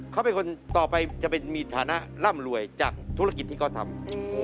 เขาเป็นคนต่อไปจะเป็นมีฐานะร่ำรวยจากธุรกิจที่เขาทำ